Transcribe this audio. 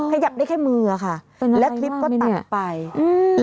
อ้าวค่ะแล้วคลิปก็ตัดไปเป็นอะไรมากมั้ยเนี่ย